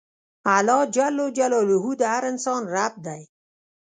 اللهﷻ د هر انسان رب دی.